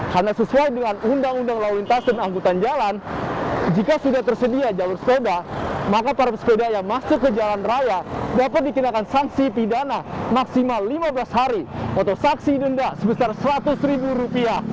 karena sesuai dengan undang undang lawintas dan angkutan jalan jika sudah tersedia jalur sepeda maka para pesepeda yang masuk ke jalan raya dapat dikirakan sanksi pidana maksimal lima belas hari atau saksi denda sebesar rp seratus